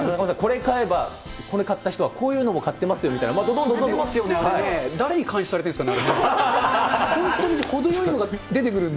中丸さん、これ買えばこれ買った人はこういうのも買ってますよみたいなの、誰に監視されてるんですかね。